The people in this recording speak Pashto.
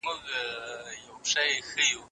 ولي مدام هڅاند د ذهین سړي په پرتله ډېر مخکي ځي؟